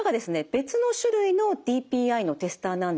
別の種類のＤＰＩのテスターなんですけれども。